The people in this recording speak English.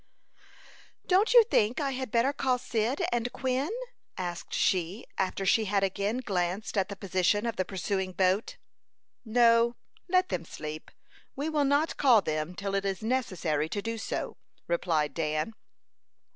"Don't you think I had better call Cyd and Quin?" asked she, after she had again glanced at the position of the pursuing boat. "No, let them sleep. We will not call them till it is necessary to do so," replied Dan.